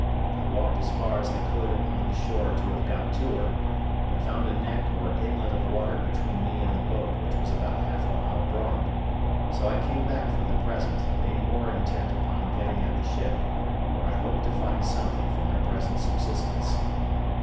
I walked as far as I could upon the shore to have got to her; but found a neck or inlet of water between me and the boat which was about half a mile broad; so I came back for the present, being more intent upon getting at the ship, where I hoped to find something for my present subsistence.